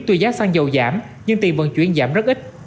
tuy giá xăng dầu giảm nhưng tiền vận chuyển giảm rất ít